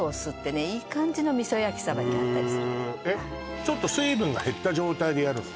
へえちょっと水分が減った状態でやるの？